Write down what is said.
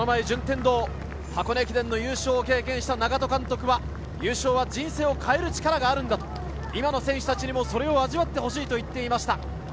順天堂、箱根駅伝の優勝経験をした長門監督は優勝は人生を変える力がある今の選手たちにもそれを味わってほしいと言っていました。